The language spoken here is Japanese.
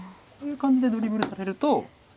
こういう感じでドリブルされると。